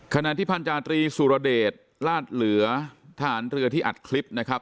ขณะที่พันธาตรีสุรเดชลาดเหลือทหารเรือที่อัดคลิปนะครับ